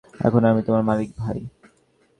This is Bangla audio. এখন আমি তোমার মালিক, ভাই।